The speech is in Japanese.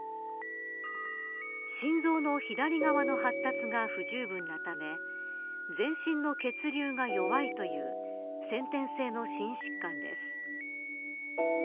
心臓の左側の発達が不十分なため全身の血流が弱いという先天性の心疾患です。